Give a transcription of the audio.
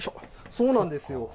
そうなんですよ。